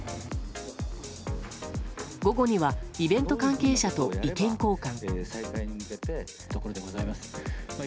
午後にはイベント関係者と意見交換。